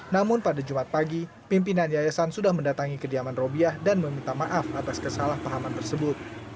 namun pada jumat pagi pimpinan yayasan sudah mendatangi kediaman robiah dan meminta maaf atas kesalahpahaman tersebut